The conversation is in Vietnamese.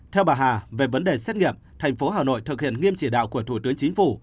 theo bà hà về vấn đề xét nghiệm thành phố hà nội thực hiện nghiêm chỉ đạo của thủ tướng chính phủ